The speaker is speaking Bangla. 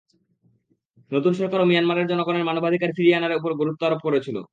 নতুন সরকারও মিয়ানমারের জনগণের মানবাধিকার ফিরিয়ে আনার ওপর গুরুত্ব আরোপ করেছিল।